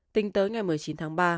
tính tới ngày một mươi chín tháng ba